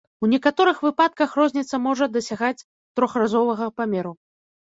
У некаторых выпадках розніца можа дасягаць трохразовага памеру.